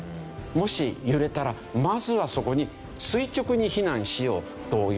もし揺れたらまずはそこに垂直に避難しようという事で。